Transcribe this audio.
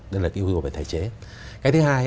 đây là cái yêu về thể chế cái thứ hai